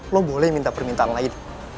lo boleh minta permintaan lain